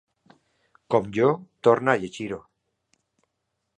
com jo, torna a llegir-ho.